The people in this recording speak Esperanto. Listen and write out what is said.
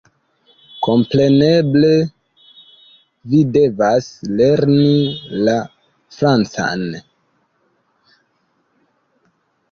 "Kompreneble, vi devas lerni la francan!